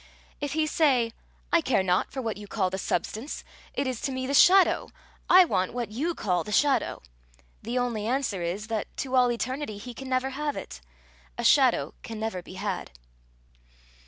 If he say, "I care not for what you call the substance it is to me the shadow; I want what you call the shadow," the only answer is, that, to all eternity, he can never have it: a shadow can never be had.